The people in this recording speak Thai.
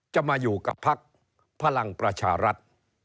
จะมาอยู่กับพักพลังประชารัฐ